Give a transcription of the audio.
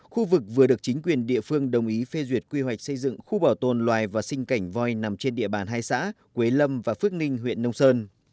khu vực vừa được chính quyền địa phương đồng ý phê duyệt quy hoạch xây dựng khu bảo tồn loài và sinh cảnh voi nằm trên địa bàn hai xã quế lâm và phước ninh huyện nông sơn